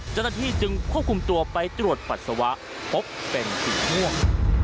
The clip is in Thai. เจ้าหน้าที่จึงควบคุมตัวไปตรวจปัสสาวะพบเป็นสีม่วง